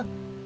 wah bagus ya